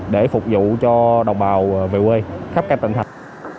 để phục vụ cho đồng bào về quê khắp các tỉnh thành